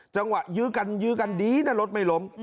จังหวะยื้อกันยื้อกันดีแต่รถไม่ล้ม